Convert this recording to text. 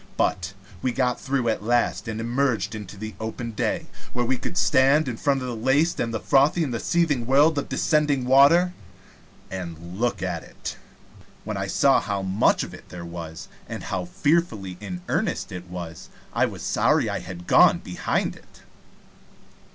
But we got through at last, and emerged into the open day, where we could stand in front of the laced and frothy and seething world of descending water, and look at it. When I saw how much of it there was, and how fearfully in earnest it was, I was sorry I had gone behind it.